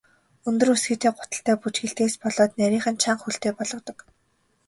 Өндөр өсгийтэй гуталтай бүжиглэдгээс болоод нарийхан, чанга хөлтэй болгодог.